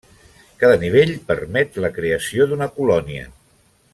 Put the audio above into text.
Cada nivell permet la creació d'una colònia.